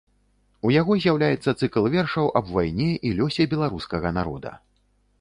У яго з'яўляецца цыкл вершаў аб вайне і лёсе беларускага народа.